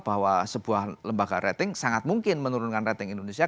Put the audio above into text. bahwa sebuah lembaga rating sangat mungkin menurunkan rating indonesia